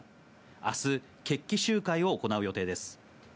あす、決起集会を行う予定です。